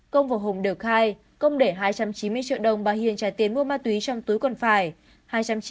công và hùng đều khai công để hai trăm chín mươi triệu đồng bà hiền trả tiền mua ma túy trong túi quần phải